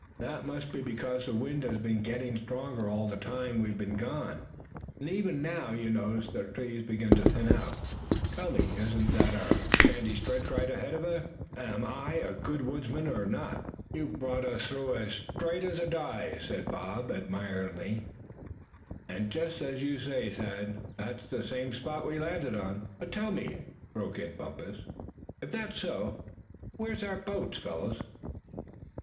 "That must be because the wind has been getting stronger all the time we've been gone; and even now you notice the trees begin to thin out. Tell me, isn't that our sandy stretch right ahead there, and am I a good woodsman or not?" "You brought us through as straight as a die," said Bob, admiringly; "and just as you say, Thad, that's the same spot we landed on." "But tell me," broke in Bumpus, "if that's so, where's our boat, fellows?"